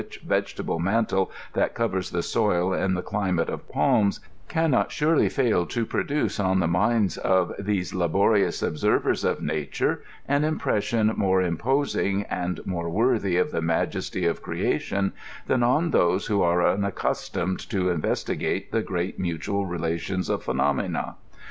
las and stars, a&d the rielL vegetable mantle thai eoveni the soil in the climate of palms, can not surely fail to prodnce on the minds of these laborious observers of nature an impression more imposing and more worthy of the majesty of ereation than on those who are unaccustomed^ to investigate the great mutual relations of phenomena.